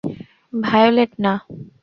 Violet, না।